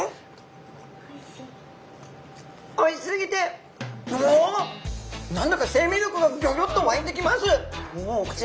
おいしすぎてもう何だか生命力がギョギョっと湧いてきます！